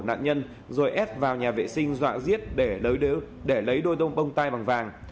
nạn nhân rồi ép vào nhà vệ sinh dọa giết để lấy đôi bông tai bằng vàng